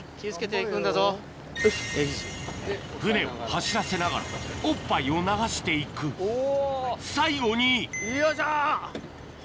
船を走らせながらおっぱいを流して行く最後によいしょ！